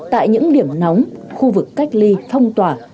tại những điểm nóng khu vực cách ly phong tỏa